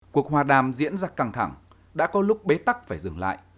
cuộc hòa đàm diễn ra căng thẳng đã có lúc bế tắc phải dừng lại